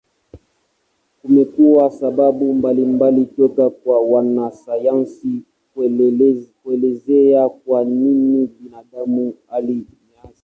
Kumekuwa sababu mbalimbali toka kwa wanasayansi kuelezea kwa nini binadamu hali nyasi.